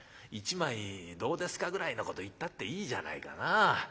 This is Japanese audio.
『１枚どうですか？』ぐらいのこと言ったっていいじゃないかな。